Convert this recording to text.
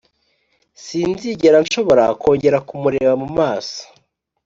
sinzigera nshobora kongera kumureba mu maso.